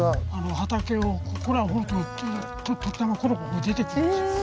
畑をここらを掘ると時たまコロコロ出てくるんですよ。